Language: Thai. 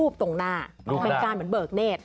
เป็นการเหมือนเบิกเนธ